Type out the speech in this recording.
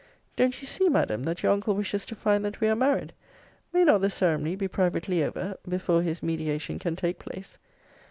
Don't you see, Madam, that your uncle wishes to find that we are married? May not the ceremony be privately over, before his mediation can take place?